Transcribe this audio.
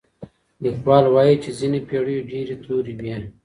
ليکوال وايي چي ځينې پېړۍ ډېرې تورې وې.